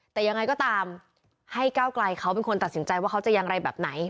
แต่ยังไงก็ตามให้ก้าวไกลเขาเป็นคนตัดสินใจว่าเขาจะอย่างไรแบบไหน